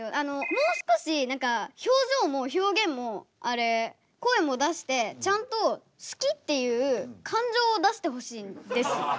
もう少し表情も表現も声も出してちゃんと「好き」っていう感情を出してほしいんです。